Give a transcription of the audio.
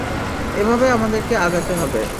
এভাবেই আমাদেরকে আগাতে হবে।